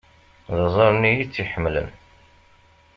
D aẓar-nni i tt-iḥemmlen.